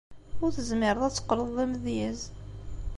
Ur tezmireḍ ad teqqleḍ d amedyaz.